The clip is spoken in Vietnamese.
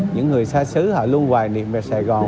những người xa xứ họ luôn hoài niệm về sài gòn